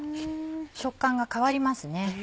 食感が変わりますね。